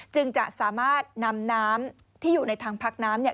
จึงจะสามารถนำน้ำที่อยู่ในทางพักน้ำเนี่ย